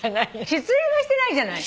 失恋はしてないじゃない。